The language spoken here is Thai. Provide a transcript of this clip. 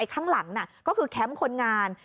ข้างหลังก็คือแคมป์คนงาน